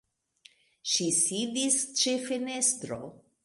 Ŝi sidis ĉe fenestro.